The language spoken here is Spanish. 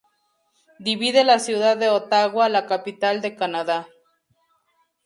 Divide la ciudad de Ottawa, la capital de Canadá.